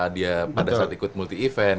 dia pada saat ikut multi event